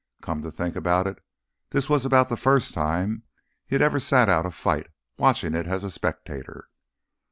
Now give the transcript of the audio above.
Come to think of it, this was about the first time he had ever sat out a fight, watching it as a spectator.